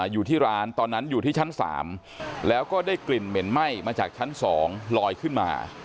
อยู่ที่ร้านตอนนั้นอยู่ที่ชั้น๓แล้วก็ได้กลิ่นเหม็นไหม้มาจากชั้น๒ลอยขึ้นมา